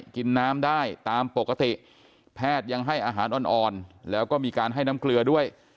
กินน้ำได้ตามปกติแพทย์ยังให้อาหารอ่อนแล้วก็มีการให้น้ำเกลือด้วย